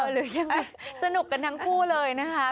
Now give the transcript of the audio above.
หรือยังไงสนุกกันทั้งคู่เลยนะคะ